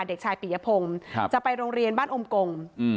เด็กชายปียพงศ์จะไปโรงเรียนบ้านอมกง